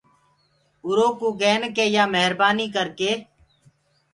اورو ڪوُ ڪين ڪي يآ مهربآنيٚ ڪر ڪي۔